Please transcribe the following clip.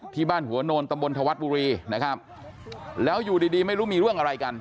ที่บ้านหัวโนนตำบลธวัฒน์บุรีนะครับแล้วอยู่ดีดีไม่รู้มีเรื่องอะไรกัน